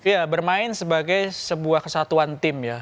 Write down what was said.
ya bermain sebagai sebuah kesatuan tim ya